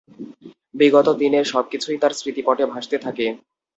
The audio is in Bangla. বিগত দিনের সব কিছুই তার স্মৃতিপটে ভাসতে থাকে।